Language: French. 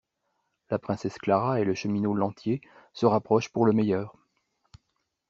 La princesse Clara et le cheminot Lantier se rapprochent pour le meilleur.